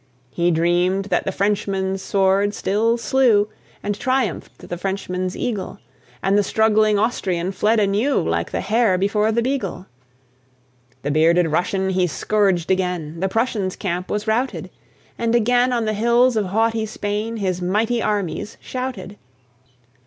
He dreamed that the Frenchman's sword still slew, And triumphed the Frenchman's eagle, And the struggling Austrian fled anew, Like the hare before the beagle. The bearded Russian he scourged again, The Prussian's camp was routed, And again on the hills of haughty Spain His mighty armies shouted.